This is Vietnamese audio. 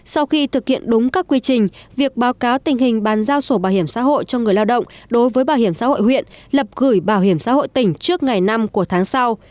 sau khi thực hiện đúng các quy trình việc báo cáo tình hình bàn giao sổ bảo hiểm xã hội cho người lao động đối với bảo hiểm xã hội huyện lập gửi bảo hiểm xã hội tỉnh trước ngày năm của tháng sau